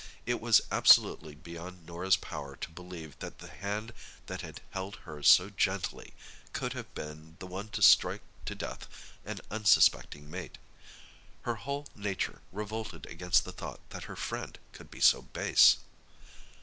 It was absolutely beyond Norah's power to believe that the hand that had held hers so gently could have been the one to strike to death an unsuspecting mate. Her whole nature revolted against the thought that her friend could be so base.